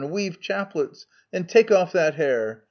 Weave chaplets ! and take off that hare